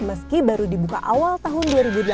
meski baru dibuka awal tahun dua ribu delapan belas